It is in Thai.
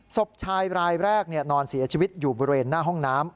ศพชายรายแรกนอนเสียชีวิตอยู่บริเวณหน้าห้องน้ำ